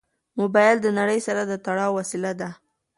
موبایل د نړۍ سره د تړاو وسیله ده.